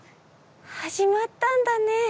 始まったんだね。